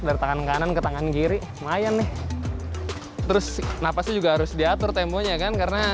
dari tangan kanan ke tangan kiri lumayan nih terus nafasnya juga harus diatur temponya kan karena